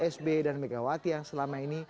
sby dan megawati yang selama ini